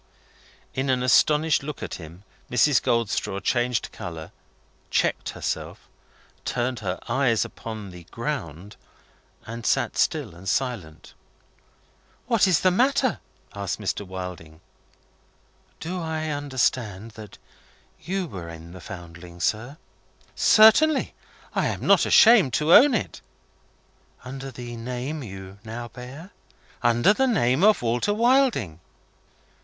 In an astonished look at him, Mrs. Goldstraw changed colour, checked herself, turned her eyes upon the ground, and sat still and silent. "What is the matter?" asked Mr. Wilding. "Do I understand that you were in the Foundling, sir?" "Certainly. I am not ashamed to own it." "Under the name you now bear?" "Under the name of Walter Wilding."